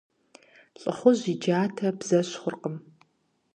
ЛӀыхъужь и джатэ бзэщхъуркъым.